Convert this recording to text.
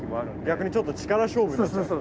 逆にちょっと力勝負になっちゃう。